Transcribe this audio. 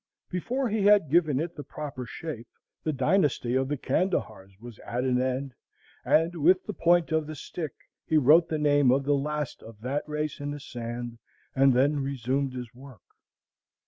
Before he had given it the proper shape the dynasty of the Candahars was at an end, and with the point of the stick he wrote the name of the last of that race in the sand, and then resumed his work.